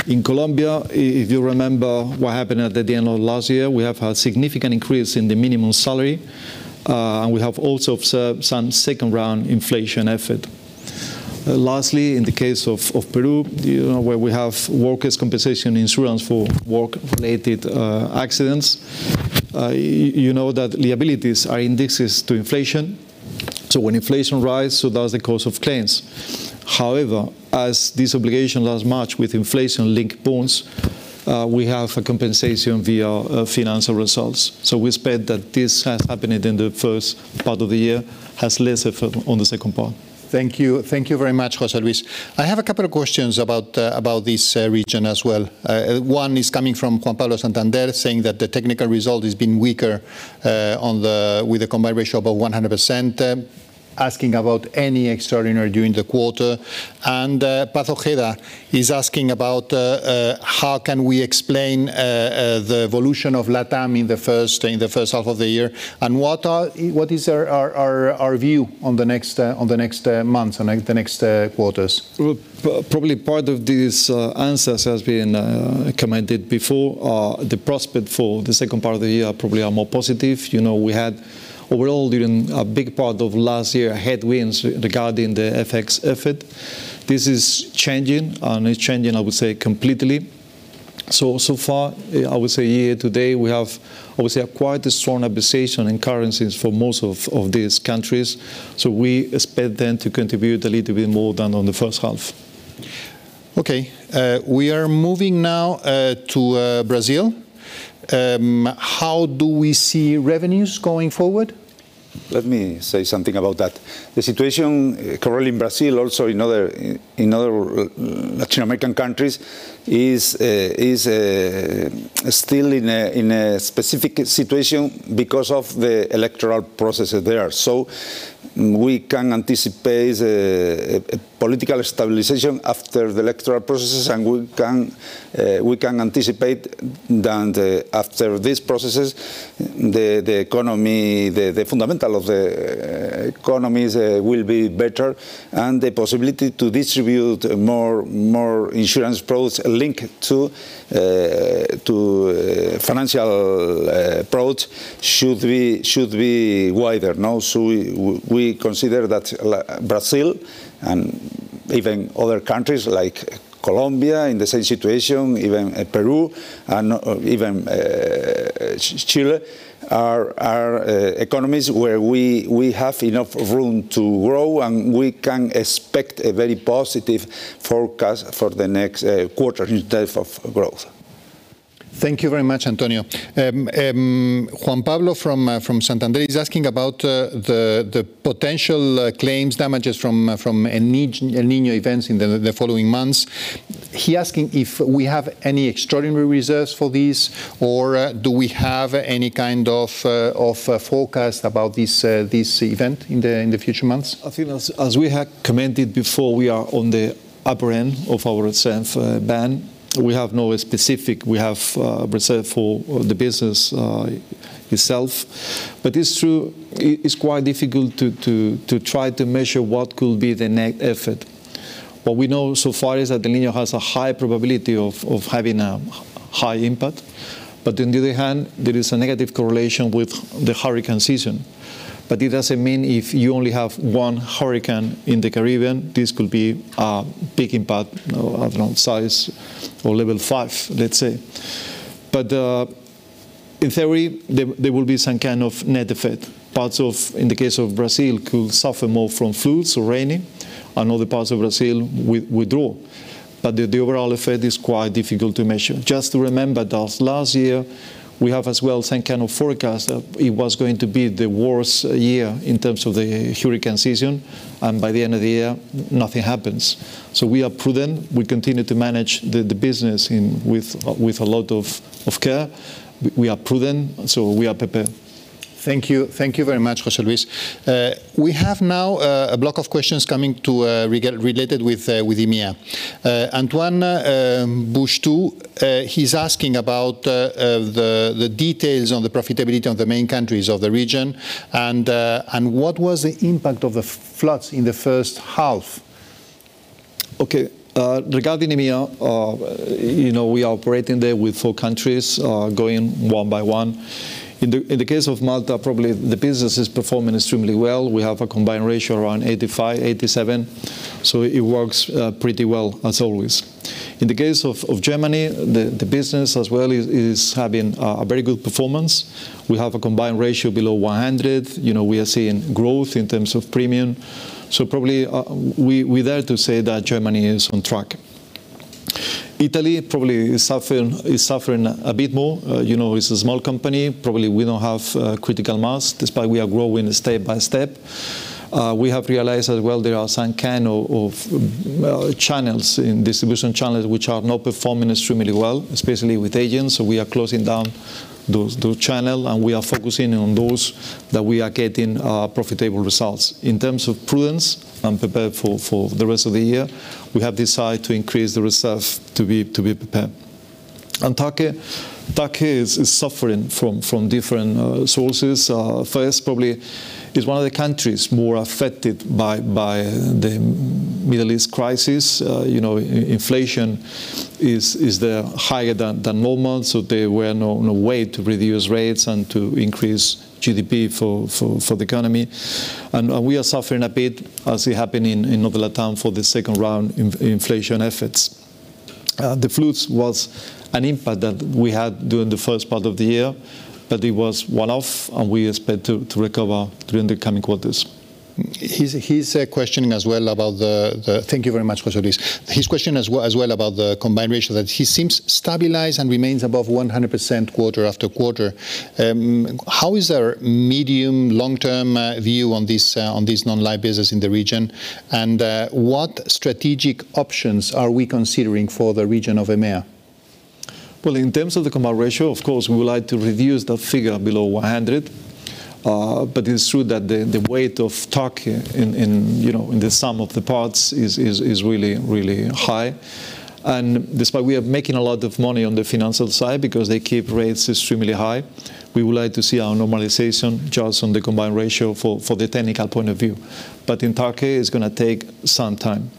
In Colombia, if you remember what happened at the end of last year, we have had significant increase in the minimum salary, and we have also observed some second-round inflation effort. In the case of Peru, where we have workers' compensation insurance for work-related accidents, you know that the liabilities are indexes to inflation. When inflation rise, so does the cost of claims. As this obligation lasts much with inflation-linked bonds, we have a compensation via financial results. We expect that this has happened in the first part of the year, has less effect on the second part. Thank you. Thank you very much, José Luis. I have a couple of questions about this region as well. One is coming from Juan Pablo Santander, saying that the technical result has been weaker with a combined ratio above 100%, asking about any extraordinary during the quarter. Paz Ojeda is asking about how can we explain the evolution of LATAM in the first half of the year, and what is our view on the next months and the next quarters? Probably part of these answers has been commented before. The prospect for the second part of the year probably are more positive. We had overall, during a big part of last year, headwinds regarding the FX effort. This is changing, and it's changing, completely. So far, year to date, we have a quite strong appreciation in currencies for most of these countries. We expect them to contribute a little bit more than on the first half. Okay. We are moving now to Brazil. How do we see revenues going forward? Let me say something about that. The situation currently in Brazil, also in other Latin American countries, is still in a specific situation because of the electoral processes there. We can anticipate political stabilization after the electoral processes, and we can anticipate that after these processes, the fundamental of the economies will be better, and the possibility to distribute more insurance products linked to financial products should be wider now. We consider that Brazil, and even other countries like Colombia in the same situation, even Peru, and even Chile, are economies where we have enough room to grow, and we can expect a very positive forecast for the next quarter in terms of growth. Thank you very much, Antonio. Juan Pablo from Santander is asking about the potential claims damages from El Niño events in the following months. He asking if we have any extraordinary reserves for this, or do we have any kind of forecast about this event in the future months? I think as we had commented before, we are on the upper end of our reserve band. We have no specific. We have reserved for the business itself. It's true, it's quite difficult to try to measure what could be the net effort. What we know so far is that El Niño has a high probability of having a high impact. On the other hand, there is a negative correlation with the hurricane season. It doesn't mean if you only have one hurricane in the Caribbean, this could be a big impact of size or level 5, let's say. In theory, there will be some kind of net effect. Parts of, in the case of Brazil, could suffer more from floods or raining, and other parts of Brazil with drought. The overall effect is quite difficult to measure. Just to remember that last year, we have as well same kind of forecast, that it was going to be the worst year in terms of the hurricane season, and by the end of the year, nothing happens. We are prudent. We continue to manage the business with a lot of care. We are prudent, and so we are prepared. Thank you. Thank you very much, José Luis. We have now a block of questions coming related with EMEA. Antoine Bouchetoux. He's asking about the details on the profitability of the main countries of the region, and what was the impact of the floods in the first half? Okay. Regarding EMEA, we are operating there with four countries, going one by one. In the case of Malta, probably the business is performing extremely well. We have a combined ratio around 85, 87. It works pretty well as always. In the case of Germany, the business as well is having a very good performance. We have a combined ratio below 100. We are seeing growth in terms of premium. Probably, we dare to say that Germany is on track. Italy probably is suffering a bit more. It's a small company. Probably we don't have critical mass, despite we are growing step by step. We have realized as well there are some kind of distribution channels which are not performing extremely well, especially with agents. We are closing down those channel, and we are focusing on those that we are getting profitable results. In terms of prudence and prepared for the rest of the year, we have decided to increase the reserve to be prepared. Turkey. Turkey is suffering from different sources. First, probably is one of the countries more affected by the Middle East crisis. Inflation is higher than normal, so there were no way to reduce rates and to increase GDP for the economy. We are suffering a bit as it happened in other LATAM for the second round inflation efforts. The floods was an impact that we had during the first part of the year, but it was one-off, and we expect to recover during the coming quarters. Thank you very much, José Luis. His question as well about the combined ratio that he seems stabilized and remains above 100% quarter after quarter. How is our medium, long-term view on this non-live business in the region? What strategic options are we considering for the region of EMEA? Well, in terms of the combined ratio, of course, we would like to reduce the figure below 100. It's true that the weight of Turkey in the sum of the parts is really high. Despite we are making a lot of money on the financial side because they keep rates extremely high. We would like to see our normalization just on the combined ratio for the technical point of view. In Turkey, it's going to take some time.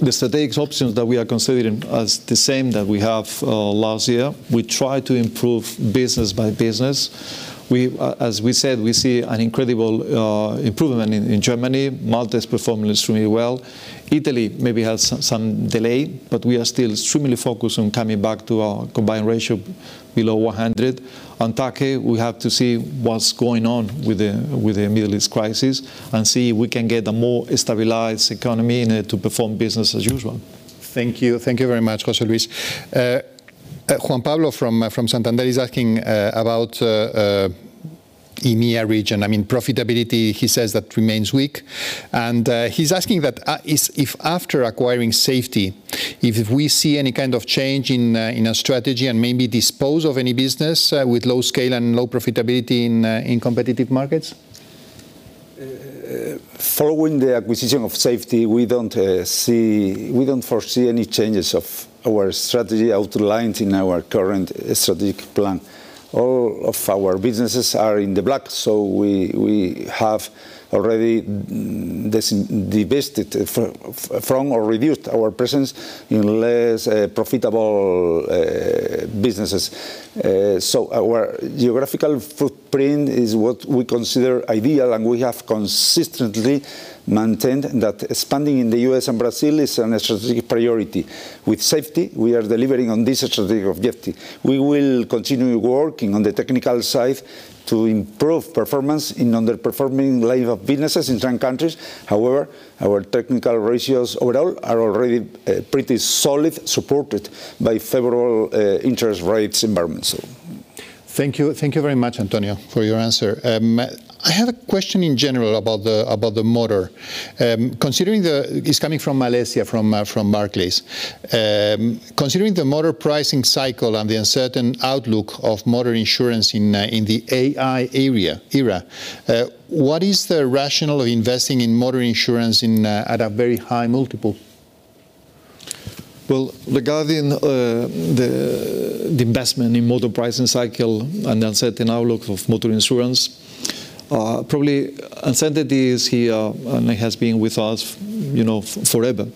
The strategic options that we are considering as the same that we have last year. We try to improve business by business. As we said, we see an incredible improvement in Germany. Malta is performing extremely well. Italy maybe has some delay, but we are still extremely focused on coming back to our combined ratio below 100. On Turkey, we have to see what's going on with the Middle East crisis and see if we can get a more stabilized economy and it to perform business as usual. Thank you. Thank you very much, José Luis. Juan Pablo from Santander is asking about EMEA region. I mean, profitability, he says that remains weak. He's asking that if after acquiring Safety, if we see any kind of change in our strategy and maybe dispose of any business with low scale and low profitability in competitive markets. Following the acquisition of Safety, we don't foresee any changes of our strategy outlined in our current strategic plan. All of our businesses are in the black, we have already divested from or reduced our presence in less profitable businesses. Our geographical footprint is what we consider ideal, and we have consistently maintained that expanding in the U.S. and Brazil is a strategic priority. With Safety, we are delivering on this strategic objective. We will continue working on the technical side to improve performance in underperforming line of businesses in certain countries. However, our technical ratios overall are already pretty solid, supported by favorable interest rates environment. Thank you. Thank you very much, Antonio, for your answer. I have a question in general about the motor. It's coming from Alessia from Barclays. Considering the motor pricing cycle and the uncertain outlook of motor insurance in the AI era, what is the rationale of investing in motor insurance at a very high multiple? Well, regarding the investment in motor pricing cycle and uncertain outlook of motor insurance, probably uncertainty is here, and it has been with us forever.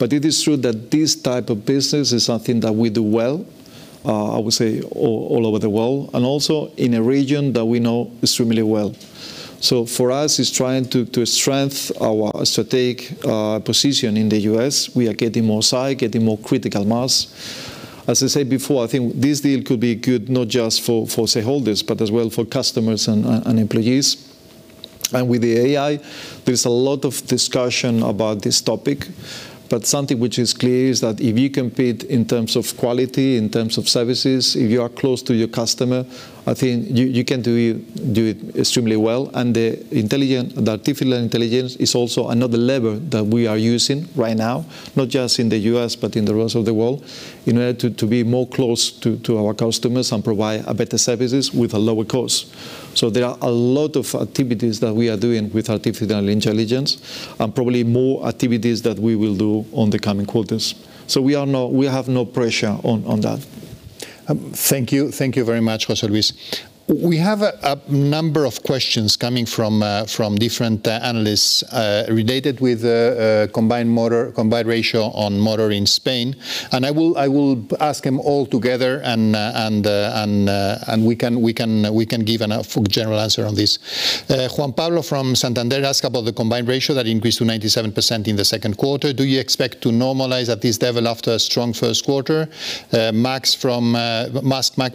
It is true that this type of business is something that we do well, I would say all over the world, and also in a region that we know extremely well. For us, it's trying to strengthen our strategic position in the U.S. We are getting more size, getting more critical mass. As I said before, I think this deal could be good not just for shareholders, but as well for customers and employees. With the AI, there's a lot of discussion about this topic, but something which is clear is that if you compete in terms of quality, in terms of services, if you are close to your customer, I think you can do it extremely well, and the artificial intelligence is also another lever that we are using right now, not just in the U.S., but in the rest of the world, in order to be more close to our customers and provide a better services with a lower cost. There are a lot of activities that we are doing with artificial intelligence, and probably more activities that we will do on the coming quarters. We have no pressure on that. Thank you. Thank you very much, José Luis. We have a number of questions coming from different analysts related with combined ratio on motor in Spain. I will ask them all together, and we can give a general answer on this. Juan Pablo from Santander asks about the combined ratio that increased to 97% in the second quarter. Do you expect to normalize at this level after a strong first quarter? Maksym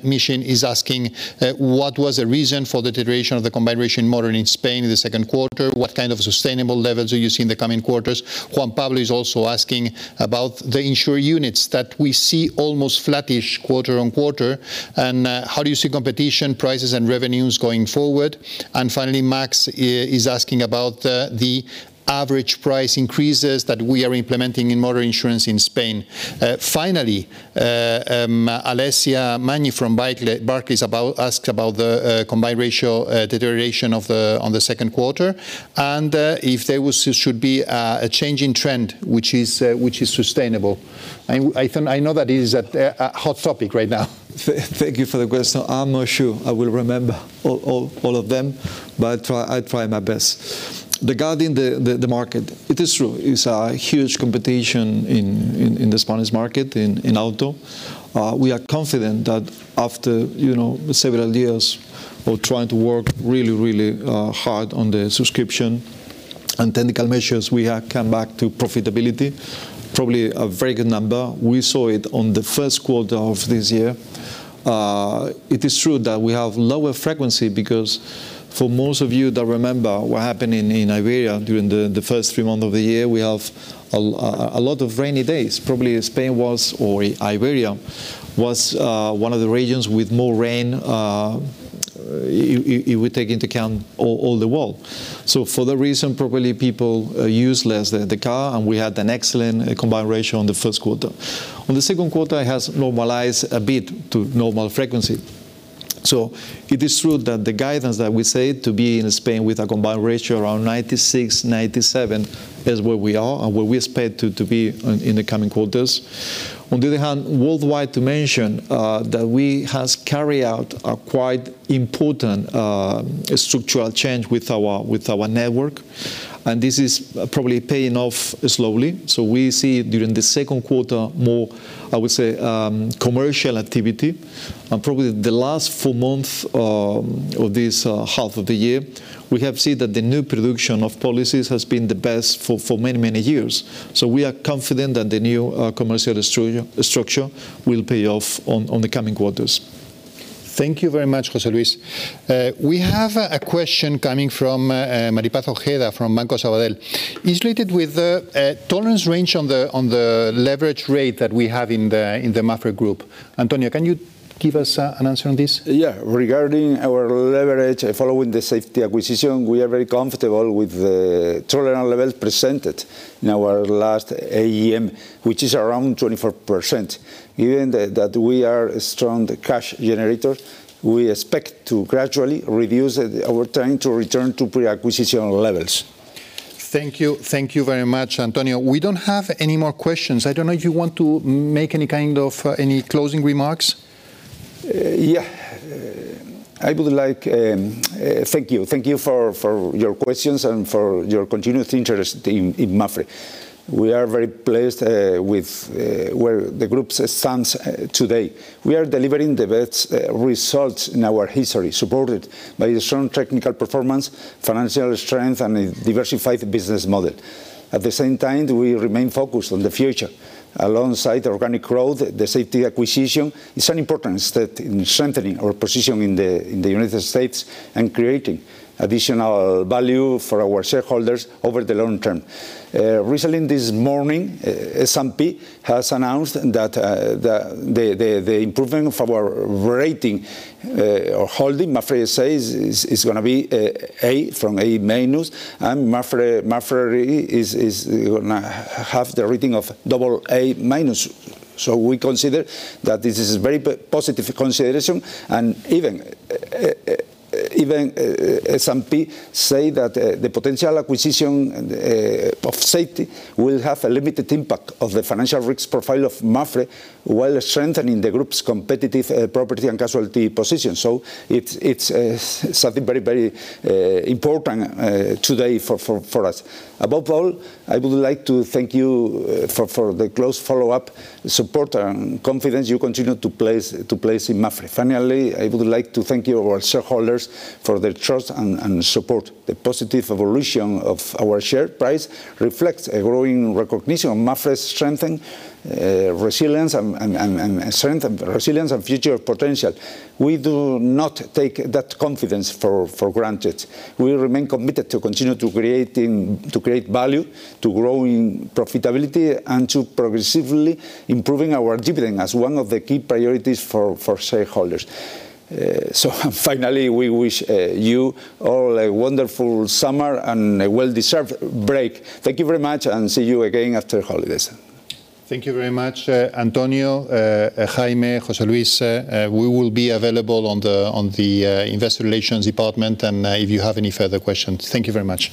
Mishyn is asking, what was the reason for the deterioration of the combined ratio in motor in Spain in the second quarter? What kind of sustainable levels are you seeing in the coming quarters? Juan Pablo is also asking about the insurer units that we see almost flattish quarter-on-quarter. How do you see competition, prices, and revenues going forward? Finally, Maksym is asking about the average price increases that we are implementing in motor insurance in Spain. Finally, Alessia Magni from Barclays asks about the combined ratio deterioration on the second quarter, and if there should be a change in trend which is sustainable. I know that is a hot topic right now. Thank you for the question. I'm not sure I will remember all of them, but I try my best. Regarding the market, it is true, it's a huge competition in the Spanish market, in auto. We are confident that after several years of trying to work really hard on the subscription and technical measures, we have come back to profitability. Probably a very good number. We saw it on the first quarter of this year. It is true that we have lower frequency, because for most of you that remember what happened in Iberia during the first three months of the year, we have a lot of rainy days. Probably Spain was, or Iberia, was one of the regions with more rain if we take into account all the world. For that reason, probably people used less the car, we had an excellent combined ratio on the first quarter. On the second quarter, it has normalized a bit to normal frequency. It is true that the guidance that we say to be in Spain with a combined ratio around 96, 97, is where we are and where we expect to be in the coming quarters. On the other hand, worldwide, to mention that we have carried out a quite important structural change with our network, this is probably paying off slowly. We see during the second quarter more, I would say, commercial activity. Probably the last four months of this half of the year, we have seen that the new production of policies has been the best for many years. We are confident that the new commercial structure will pay off on the coming quarters. Thank you very much, José Luis. We have a question coming from María Paz Ojeda from Banco Sabadell. It is related with the tolerance range on the leverage rate that we have in the Mapfre group. Antonio, can you give us an answer on this? Regarding our leverage following the Safety acquisition, we are very comfortable with the tolerance levels presented in our last AGM, which is around 24%. Given that we are a strong cash generator, we expect to gradually reduce our time to return to pre-acquisition levels. Thank you. Thank you very much, Antonio. We don't have any more questions. I don't know if you want to make any closing remarks. Yeah. Thank you. Thank you for your questions and for your continuous interest in Mapfre. We are very pleased with where the group stands today. We are delivering the best results in our history, supported by a strong technical performance, financial strength, and a diversified business model. At the same time, we remain focused on the future. Alongside organic growth, the Safety acquisition is an important step in strengthening our position in the United States and creating additional value for our shareholders over the long term. Recently, this morning, S&P has announced the improvement of our rating or holding. Mapfre, it says, is going to be A from A-, and Mapfre is going to have the rating of AA-. We consider that this is a very positive consideration, and even S&P say that the potential acquisition of Safety will have a limited impact of the financial risk profile of Mapfre, while strengthening the group's competitive property and casualty position. It's something very important today for us. Above all, I would like to thank you for the close follow-up, support, and confidence you continue to place in Mapfre. Finally, I would like to thank you, our shareholders, for the trust and support. The positive evolution of our share price reflects a growing recognition of Mapfre's strength and resilience and future potential. We do not take that confidence for granted. We remain committed to continue to create value, to growing profitability, and to progressively improving our dividend as one of the key priorities for shareholders. Finally, we wish you all a wonderful summer and a well-deserved break. Thank you very much, and see you again after holidays. Thank you very much, Antonio, Jaime, José Luis. We will be available on the investor relations department, and if you have any further questions. Thank you very much.